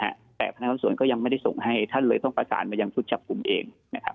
แต่พนักงานสวนก็ยังไม่ได้ส่งให้ท่านเลยต้องประสานมายังชุดจับกลุ่มเองนะครับ